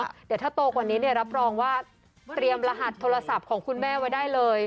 เดี๋ยวถ้าโตกว่านี้เนี่ยรับรองว่าเตรียมรหัสโทรศัพท์ของคุณแม่ไว้ได้เลย